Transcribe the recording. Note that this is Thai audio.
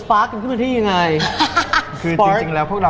ไม่เห็นเลย